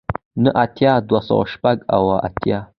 نه اتیای دوه سوه شپږ اوه اتیا